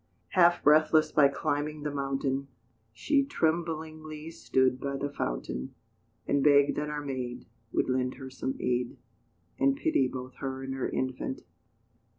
Half breathless by climbing the mountain, She tremblingly stood by the fountain, And begged that our maid Would lend her some aid, And pity both her and her infant.